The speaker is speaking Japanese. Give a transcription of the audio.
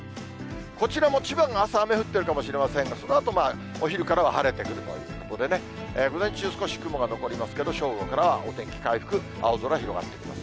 こちらも千葉が朝、雨降ってるかもしれませんが、そのあとお昼からは晴れてくるということでね、午前中、少し雲が残りますけど、正午からはお天気回復、青空広がってきます。